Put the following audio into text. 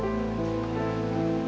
ma aku mau pergi